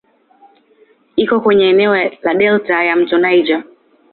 Iko kwenye eneo la delta ya "mto Niger".